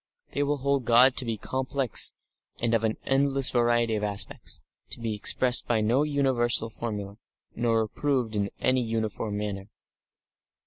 They will hold God to be complex and of an endless variety of aspects, to be expressed by no universal formula nor approved in any uniform manner.